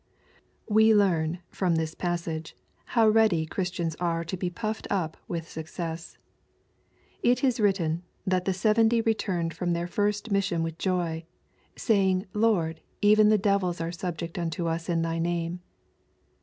We learn, from this passage, how ready Christians are to be puffed up with success. It is written, that the seventy returned from their first mission with joy, '^saying. Lord, even the devils are subject unto us through thy name.''